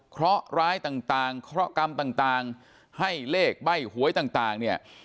เคราะห์ร้ายต่างต่างเคราะห์กรรมต่างต่างให้เลขใบ้หวยต่างต่างเนี้ย